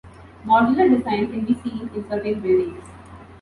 Modular design can be seen in certain buildings.